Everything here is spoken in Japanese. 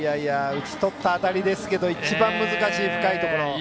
打ち取った当たりですけど一番難しい、深いところ。